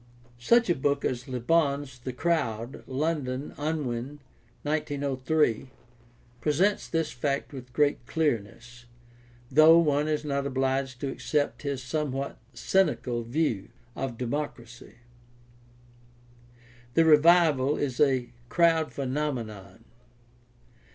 Such a book as Le Bon's The Crowd (London: Unwin, 1903) presents this fact with great clearness, though one is not obliged to accept his somewhat cynical view of democracy. The revival is a crowd phenomenon.